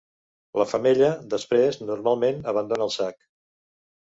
La femella, després, normalment abandona el sac.